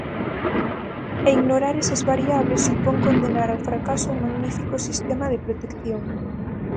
E ignorar esas variables supón condenar ao fracaso un magnífico sistema de protección.